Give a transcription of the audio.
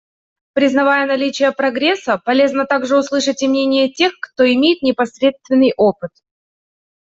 Признавая наличие прогресса, полезно также услышать и мнение тех, кто имеет непосредственный опыт.